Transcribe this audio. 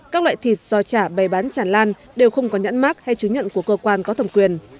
các loại thịt giò chả bày bán tràn lan đều không có nhãn mát hay chứng nhận của cơ quan có thẩm quyền